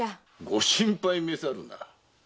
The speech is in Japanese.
ご心配めさるな。